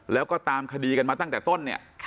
แล้วก็ตามคดีกันมาตั้งแต่ต้นเนี่ย